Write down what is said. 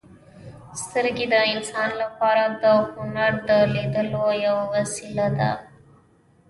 • سترګې د انسان لپاره د هنر د لیدلو یوه وسیله ده.